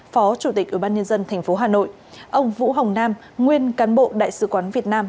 phó chủ tịch ủy ban nhân dân tp hà nội ông vũ hồng nam nguyên cán bộ đại sứ quán việt nam